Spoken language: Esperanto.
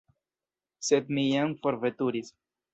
Sed mi jam forveturis.